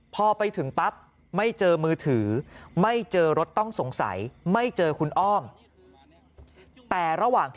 พอไปถึงปั๊บไม่เจอมือถือ